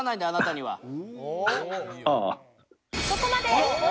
あなたは。